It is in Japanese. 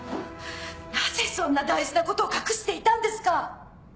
なぜそんな大事なことを隠していたんですか！？